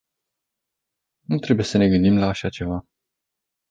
Nu trebuie să ne gândim la așa ceva.